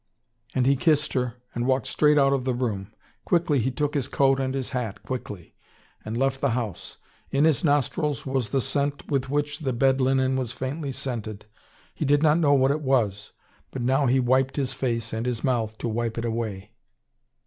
And he kissed her, and walked straight out of the room. Quickly he took his coat and his hat, quickly, and left the house. In his nostrils was still the scent with which the bed linen was faintly scented he did not know what it was. But now he wiped his face and his mouth, to wipe it away.